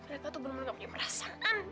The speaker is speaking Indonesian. mereka tuh belum ada merasaan